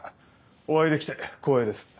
お会いできて光栄です。